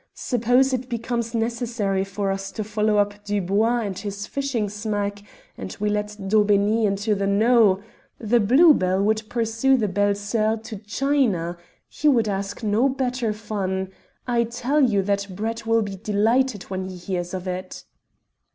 Suppose it becomes necessary for us to follow up Dubois and his fishing smack, and we let Daubeney into the know. The Blue Bell would pursue the Belles Soeurs to China. He would ask no better fun. I tell you that Brett will be delighted when he hears of it."